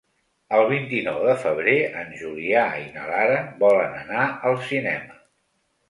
El vint-i-nou de febrer en Julià i na Lara volen anar al cinema.